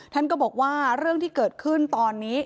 ท่านก็บอกว่าเรื่องที่เกิดขึ้นตอนนี้